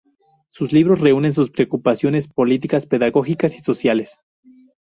Sus libros reúnen sus preocupaciones políticas, pedagógicas y sociales.